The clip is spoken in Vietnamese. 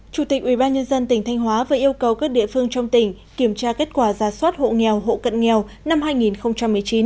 chủ tịch ubnd tỉnh thanh hóa vừa yêu cầu các địa phương trong tỉnh kiểm tra kết quả ra soát hộ nghèo hộ cận nghèo năm hai nghìn một mươi chín